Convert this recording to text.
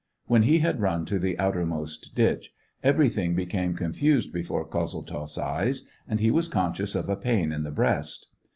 When he had run to the outermost ditch, everything became confused before Kozel tzoff's eyes, and he was conscious of a pain in the breast.